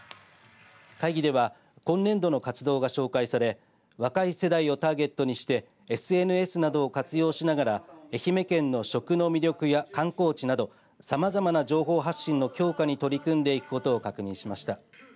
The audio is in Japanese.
会議では今年度の活動が紹介され若い世代をターゲットにしてＳＮＳなどを活用しながら愛媛県の食の魅力や、観光地などさまざまな情報発信の強化に取り組んでいくことを確認しました。